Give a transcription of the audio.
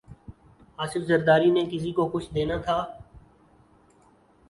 آصف زرداری نے کسی کو کچھ دینا تھا۔